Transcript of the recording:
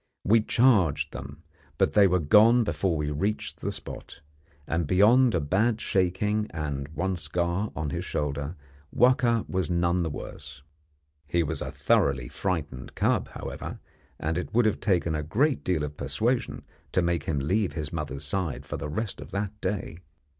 We charged them, but they were gone before we reached the spot; and beyond a bad shaking and one scar on his shoulder Wahka was none the worse. He was a thoroughly frightened cub, however, and it would have taken a great deal of persuasion to make him leave his mother's side for the rest of that day.